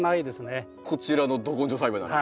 こちらのど根性栽培だと？